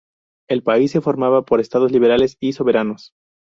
El país se formaba por estados libres y soberanos.